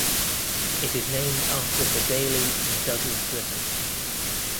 It is named after the Daly and Douglas Rivers.